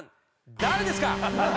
誰ですか？